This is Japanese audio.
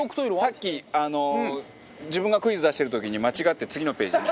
さっき自分がクイズ出してる時に間違って次のページ見た。